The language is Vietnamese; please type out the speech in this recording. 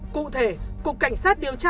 cụ thể cục cảnh sát điều tra